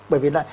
bởi vì là